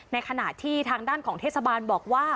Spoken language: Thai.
ในขณะที่ทางด้านของเทศบาลบอกว่า